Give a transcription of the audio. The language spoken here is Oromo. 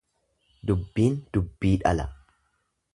Dubbiin dubbii dhala.